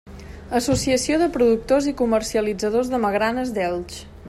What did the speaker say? Associació de Productors i Comercialitzadors de Magranes d'Elx.